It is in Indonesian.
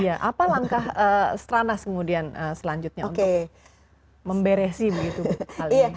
iya apa langkah strana selanjutnya untuk memberesi hal ini